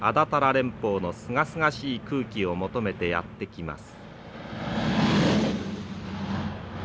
連峰のすがすがしい空気を求めてやって来ます。